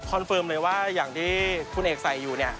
คอนเฟิร์มเลยว่าอย่างที่คุณเอกใส่อยู่